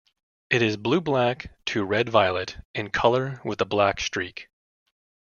It is blue-black to red-violet in color with a black streak.